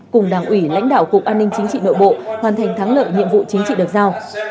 cùng đảng ủy lãnh đạo cục an ninh chính trị nội bộ hoàn thành thắng lợi nhiệm vụ chính trị được giao